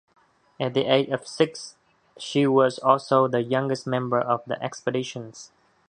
At the age of six, she was also the youngest member of the expedition.